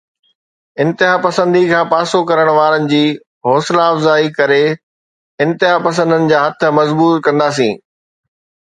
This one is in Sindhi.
انتهاپسندي کان پاسو ڪرڻ وارن جي حوصلا افزائي ڪري انتها پسندن جا هٿ مضبوط ڪنداسين.